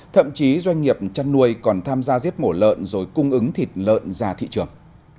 thậm chí doanh nghiệp chăn nuôi còn tham gia giết mổ lợn rồi cung ứng thịt lợn ra thị trường